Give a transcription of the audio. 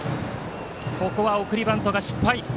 ここは送りバント失敗。